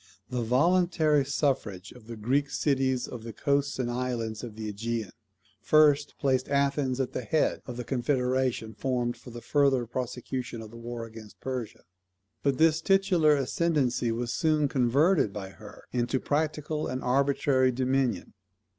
The voluntary suffrage of the Greek cities of the coasts and islands of the AEgean first placed Athens at the head of the confederation formed for the further prosecution of the war against Persia. But this titular ascendancy was soon converted by her into practical and arbitrary dominion.